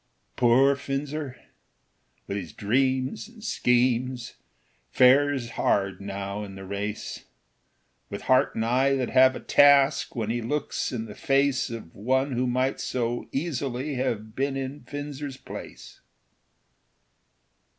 Poor Finzer, with his dreams and schemes, Fares hard now in the race, With heart and eye that have a task When he looks in the face Of one who might so easily Have been in Finzer's place.